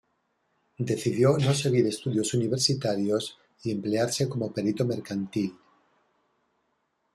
Decidió no seguir estudios universitarios y emplearse como perito mercantil.